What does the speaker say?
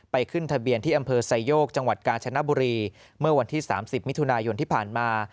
ขึ้นทะเบียนที่อำเภอไซโยกจังหวัดกาญจนบุรีเมื่อวันที่๓๐มิถุนายนที่ผ่านมา